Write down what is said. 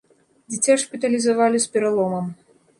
Дзіця шпіталізавалі з пераломам.